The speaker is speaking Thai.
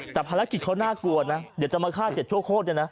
แต่ภารกิจเขาน่ากลัวนะเดี๋ยวจะมาฆ่าเจ็ดชั่วโคตรเนี่ยนะ